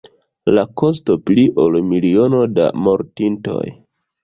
La kosto: pli ol miliono da mortintoj.